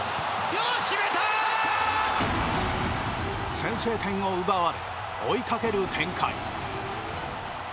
先制点を奪われ追いかける展開。